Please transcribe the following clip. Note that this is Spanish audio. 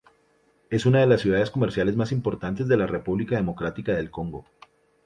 Es una de las ciudades comerciales más importantes de la República Democrática de Congo.